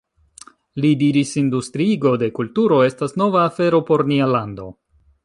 Li diris: Industriigo de kulturo estas nova afero por nia lando.